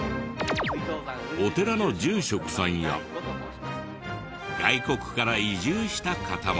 お寺の住職さんや外国から移住した方も。